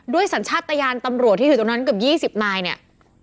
สัญชาติตะยานตำรวจที่อยู่ตรงนั้นเกือบ๒๐นายเนี่ย